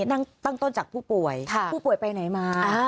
ตั้งต้นจากผู้ป่วยผู้ป่วยไปไหนมา